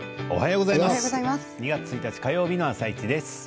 おはようございます。